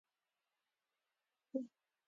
احمد ډېرې خوشمړې قاضي ته ورکړې چې کار يې ور جوړ کړي.